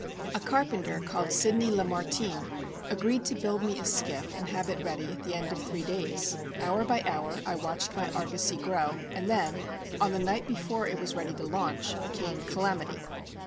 A carpenter called Sydney Lamartine agreed to build me a skiff and have it ready at the end of three days. Hour by hour I watched my argosy grow, and then on the night before it was ready to launch came "Calamity."